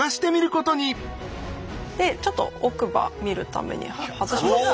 ちょっと奥歯見るために外します。